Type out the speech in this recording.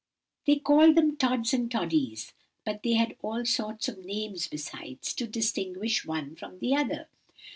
"They called them 'Tods' and 'Toddies,' but they had all sorts of names besides, to distinguish one from the other.